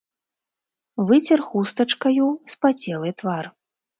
Выцер хустачкаю спацелы твар.